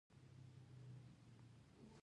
د اسلام پابندي د پرمختګ اصول دي